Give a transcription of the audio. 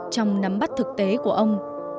trong nắm bắt thực tế của ông